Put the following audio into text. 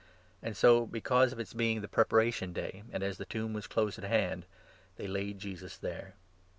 And so, because of 42 its being the Preparation Day, and as the tomb was close at hand, they laid Jesus there.